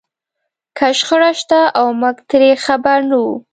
که شخړه شته او موږ ترې خبر نه وو.